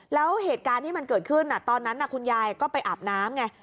แล้วเหตุการณ์ที่มันเกิดขึ้นตอนนั้นคุณยายก็ไปอาบน้ำไง